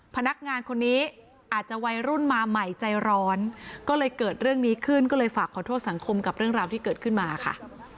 พนักงานคนนี้อาจจะวัยรุ่นมาใหม่ใจร้อนก็เลยเกิดเรื่องนี้ขึ้นก็เลยฝากขอโทษสังคมกับเรื่องราวที่เกิดขึ้นมาค่ะ